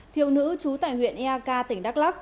thiếu nữ trú tại huyện eak tỉnh đắk lắc